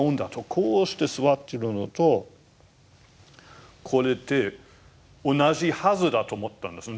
こうして坐っているのとこれって同じはずだと思ったんですね。